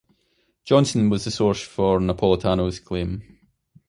Johnson was the source for Napolitano's claim.